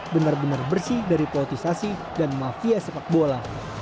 benar benar bersih dari politisasi dan mafia sepak bola